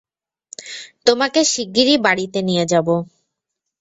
তোমাকে শিগগিরই বাড়িতে নিয়ে যাবো।